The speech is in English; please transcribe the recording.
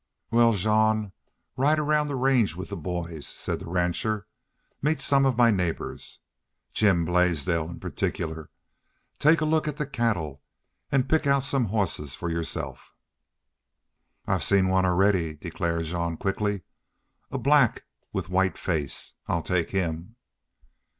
"Wal, Jean, ride around the range with the boys," said the rancher. "Meet some of my neighbors, Jim Blaisdell, in particular. Take a look at the cattle. An' pick out some hosses for yourself." "I've seen one already," declared Jean, quickly. "A black with white face. I'll take him."